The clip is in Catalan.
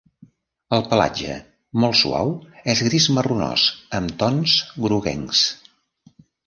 El pelatge, molt suau, és gris marronós amb tons groguencs.